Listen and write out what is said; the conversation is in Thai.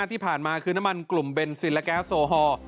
ที่ผ่านมาคือน้ำมันกลุ่มเบนซินและแก๊สโซฮอล